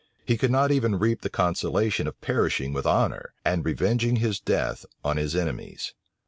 He could not even reap the consolation of perishing with honor, and revenging his death on his enemies.